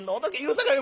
さかい